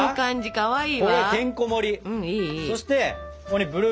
かわいい。